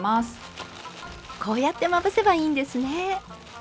こうやってまぶせばいいんですね。